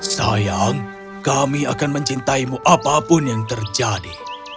sayang kami akan mencintaimu apapun yang terjadi